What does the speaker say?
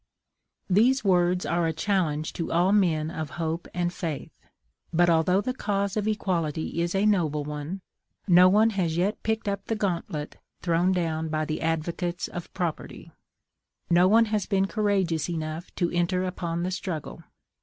These words are a challenge to all men of hope and faith; but, although the cause of equality is a noble one, no one has yet picked up the gauntlet thrown down by the advocates of property; no one has been courageous enough to enter upon the struggle.